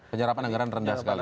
penyerapan anggaran rendah sekali